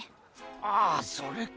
ああそれか。